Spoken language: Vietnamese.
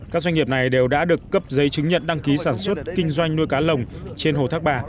các doanh nghiệp này đều đã được cấp giấy chứng nhận đăng ký sản xuất kinh doanh nuôi cá lồng trên hồ thác bà